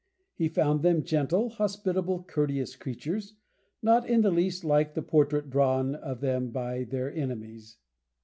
He found them gentle, hospitable, courteous creatures, not in the least like the portrait drawn of them by their enemies.